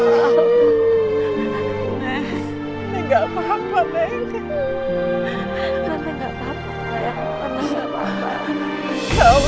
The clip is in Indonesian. ya allah jangan mengungkap